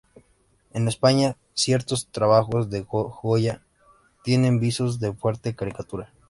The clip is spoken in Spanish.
En España ciertos trabajos de Goya tienen visos de fuerte caricatura.